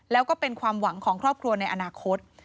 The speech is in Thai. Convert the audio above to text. แล้วก็เป็นความหวังของครอบครัวในอนาคต